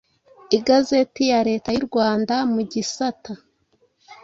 igazeti ya leta y’u Rwanda mu gisata